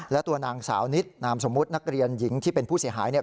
และตัวนางสาวนิดนามสมมุตินักเรียนหญิงที่เป็นผู้เสียหายเนี่ย